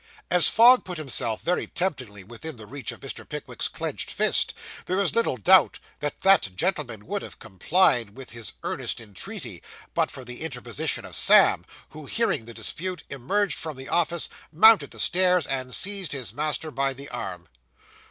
As Fogg put himself very temptingly within the reach of Mr. Pickwick's clenched fist, there is little doubt that that gentleman would have complied with his earnest entreaty, but for the interposition of Sam, who, hearing the dispute, emerged from the office, mounted the stairs, and seized his master by the arm.